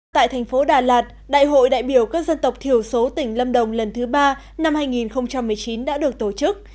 tại thành phố đà lạt đại hội đại biểu các dân tộc thiểu số tỉnh lâm đồng lần thứ ba năm hai nghìn một mươi chín đã được tổ chức